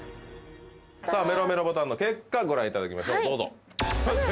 さあメロメロボタンの結果ご覧いただきましょう。